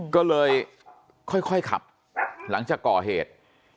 ก็เลยค่อยขับหลังจากก่อเหตุ